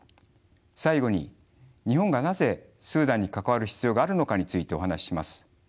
最後に日本がなぜスーダンに関わる必要があるのかについてお話しします。